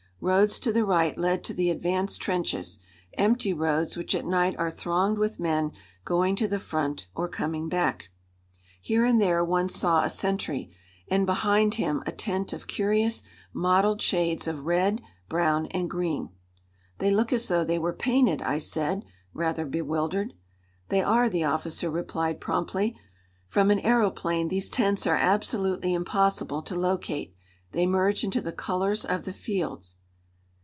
Roads to the right led to the advanced trenches, empty roads which at night are thronged with men going to the front or coming back. Here and there one saw a sentry, and behind him a tent of curious mottled shades of red, brown and green. "They look as though they were painted," I said, rather bewildered. "They are," the officer replied promptly. "From an aëroplane these tents are absolutely impossible to locate. They merge into the colors of the fields."